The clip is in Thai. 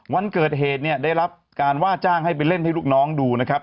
วันเกิดเหตุเนี่ยได้รับการว่าจ้างให้ไปเล่นให้ลูกน้องดูนะครับ